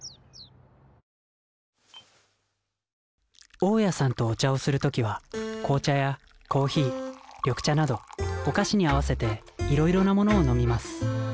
大家さんとお茶をする時は紅茶やコーヒー緑茶などお菓子に合わせていろいろなものを飲みます。